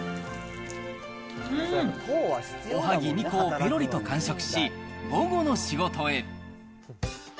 おはぎ２個をぺろりと完食し、午後の仕事へ。